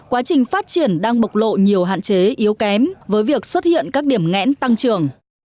quá trình phát triển đang bộc lộ nhiều hạn chế yếu kém với việc xuất hiện các điểm ngẽn tăng trưởng